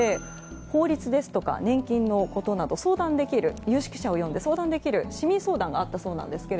法律ですとか年金のことなどを有識者を呼んで相談できる市民相談があったそうですが